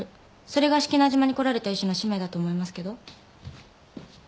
それが志木那島に来られた医師の使命だと思いますけど。